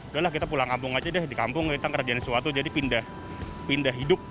udahlah kita pulang kampung aja deh di kampung kita ngerjain sesuatu jadi pindah hidup